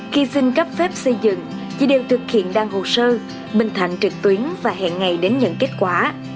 khi xin cấp phép xây dựng chị đều thực hiện đăng hồ sơ bình thạnh trực tuyến và hẹn ngày đến nhận kết quả